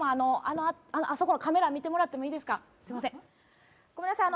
あのあそこのカメラ見てもらってもいいですかごめんなさい